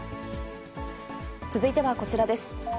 続いてはこちらです。